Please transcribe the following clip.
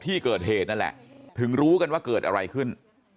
ที่เกิดเหตุนั่นแหละถึงรู้กันว่าเกิดอะไรขึ้น